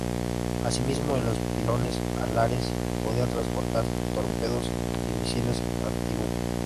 Asimismo en los pilones alares podía transportar torpedos y misiles antibuque.